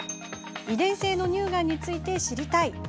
遺伝性の乳がんについて知りたい。